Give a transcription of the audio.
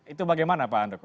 itu bagaimana pak handoko